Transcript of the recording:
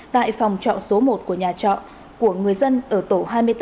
tại phòng trọ số một của nhà trọ của người dân ở tổ hai mươi tám